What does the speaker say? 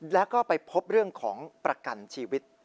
แล้วก็ไปพบเรื่องของประกันชีวิต